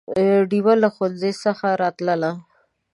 ډېوه له ښوونځي څخه راتلله